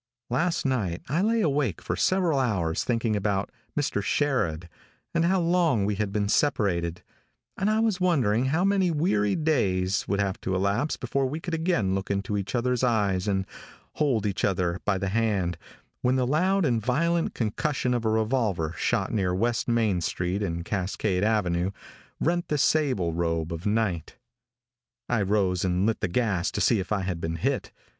Last night I lay awake for several hours thinking about Mr. Sherrod and how long we had been separated, and I was wondering how many weary days would have to elapse before we would again look into each other's eyes and hold each other by the hand, when the loud and violent concussion of a revolver shot near West Main street and Cascade avenue rent the sable robe of night. I rose and lit the gas to see if I had been hit.